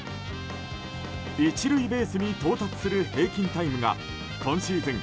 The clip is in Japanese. １塁ベースに到達する平均タイムが今シーズン